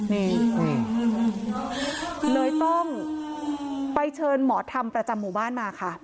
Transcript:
นี่เลยต้องไปเชิญหมอธรรมประจำหมู่บ้านมาค่ะ